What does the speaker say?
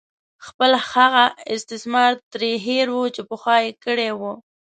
خپل هغه استثمار ترې هېر وو چې پخوا یې کړې وه.